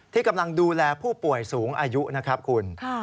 ที่กำลังดูแลผู้ป่วยสูงอายุนะครับคุณ